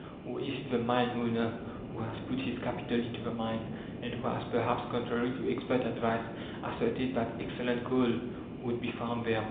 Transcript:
Or is it the mine owner who has put his capital into the mine, and who has perhaps, contrary to expert advice, asserted that excellent coal would be found there?